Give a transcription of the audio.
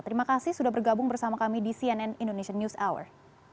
terima kasih sudah bergabung bersama kami di cnn indonesian news hour